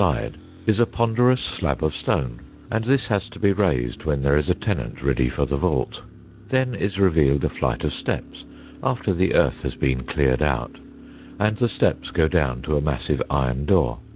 190 STORIES WEIRD AND WONDERFUL is a ponderous slab of stone, and this has to be raised when there is a tenant ready for the vault. Then is revealed a flight of steps after the earth has been cleared out, and the steps go down to a massive iron door.